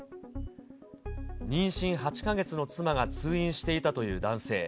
妊娠８か月の妻が通院していたという男性。